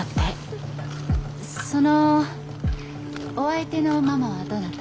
そのお相手のママはどなた？